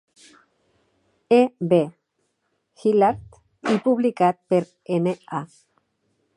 E. B. Hillard i publicat per N. A.